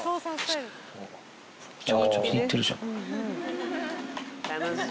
めちゃくちゃ気に入ってるじゃん。